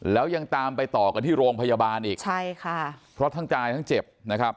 แล้วยังตามไปต่อกันที่โรงพยาบาลอีกใช่ค่ะเพราะทั้งกายทั้งเจ็บนะครับ